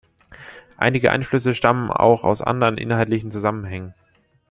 Einige Einflüsse stammen auch aus anderen inhaltlichen Zusammenhängen.